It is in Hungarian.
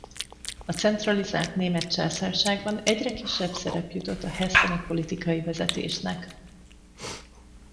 A centralizált Német Császárságban egyre kisebb szerep jutott a hesseni politikai vezetésnek.